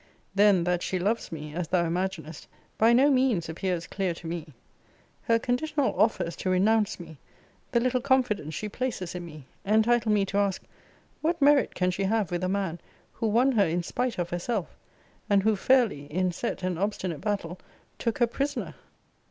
Then, that she loves me, as thou imaginest, by no means appears clear to me. Her conditional offers to renounce me; the little confidence she places in me; entitle me to ask, What merit can she have with a man, who won her in spite of herself; and who fairly, in set and obstinate battle, took her prisoner?